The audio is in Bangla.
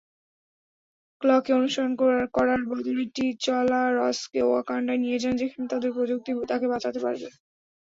ক্ল-কে অনুসরণ করার বদলে, টি'চালা রস-কে ওয়াকান্ডায় নিয়ে যান, যেখানে তাদের প্রযুক্তি তাকে বাঁচাতে পারবে।